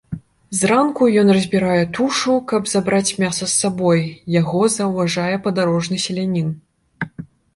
Зранку ён разбірае тушу, каб забраць мяса з сабой, яго заўважае падарожны селянін.